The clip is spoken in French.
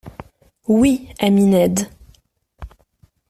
—Oui, ami Ned.